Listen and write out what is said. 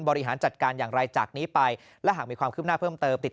บริหารจัดการอย่างไรจากนี้ไปและหากมีความคืบหน้าเพิ่มเติมติด